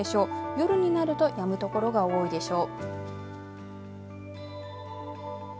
夜になるとやむ所が多いでしょう。